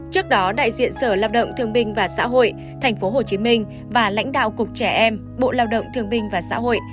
trước đó đại diện sở lao động thương binh và xã hội tp hcm và lãnh đạo cục trẻ em bộ lao động thương binh và xã hội